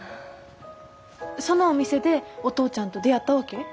そのお店でお父ちゃんと出会ったわけ？